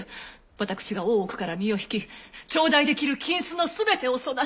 私が大奥から身を引き頂戴できる金子の全てをそなたに。